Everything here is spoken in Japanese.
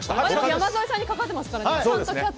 山添さんにかかってますからね。